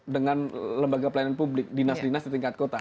dengan lembaga pelayanan publik dinas dinas di tingkat kota